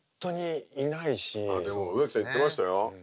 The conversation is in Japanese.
でも植木さん言ってましたよ。